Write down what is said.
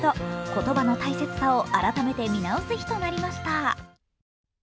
言葉の大切さを改めて見直す日となりました。